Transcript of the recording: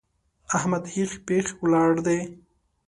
احمد هېښ پېښ ولاړ دی!